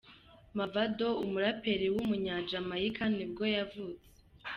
Mavado, umuraperi w’umunya-Jamaica nibwo yavutse.